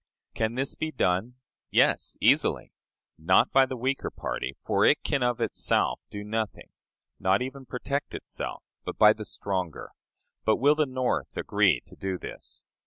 "Can this be done? Yes, easily! Not by the weaker party; for it can of itself do nothing not even protect itself but by the stronger.... But will the North agree to do this?